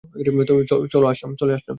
চল, আসলাম।